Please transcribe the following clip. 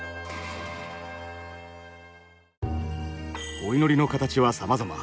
お祈りの形はさまざま。